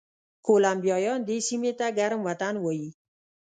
کولمبیایان دې سیمې ته ګرم وطن وایي.